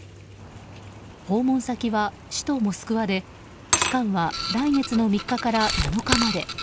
訪問先は首都モスクワで期間は来月の３日から７日まで。